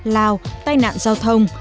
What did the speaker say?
lao tai nạn giao thông